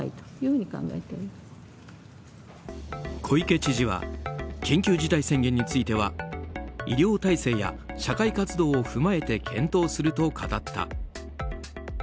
小池知事は緊急事態宣言については医療体制や社会活動を踏まえて検討すると語った。